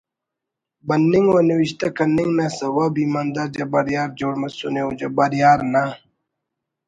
بننگ و نوشتہ کننگ نا سوب ایماندار جبار یار جوڑ مسنے او جبار یار نا